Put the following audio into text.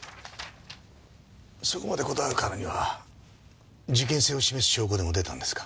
そこまでこだわるからには事件性を示す証拠でも出たんですか？